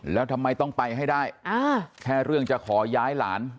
แล้วทำไมต้องไปให้ได้แค่เรื่องจะขอย้ายหลาน